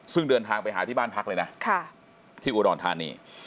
ซึ่งเดินทางไปหาที่บ้านพักเลยนะที่อุดรธานี